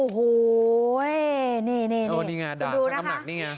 โหวนี้น่ะด่าของคำหนักนี่ณ